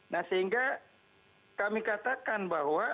nah sehingga kami katakan bahwa